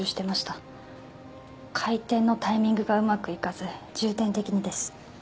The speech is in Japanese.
回転のタイミングがうまくいかず重点的にです。